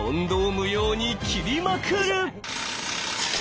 無用にきりまくる！